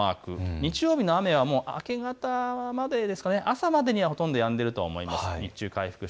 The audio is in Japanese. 日曜日の雨は明け方まで、朝までにはほとんどやんでいると思います。